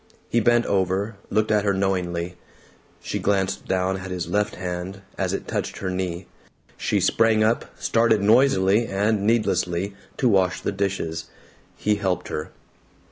He bent over, looked at her knowingly. She glanced down at his left hand as it touched her knee. She sprang up, started noisily and needlessly to wash the dishes. He helped her.